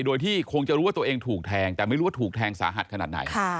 โดยที่คงจะรู้ว่าตัวเองถูกแทงแต่ไม่รู้ว่าถูกแทงสาหัสขนาดไหน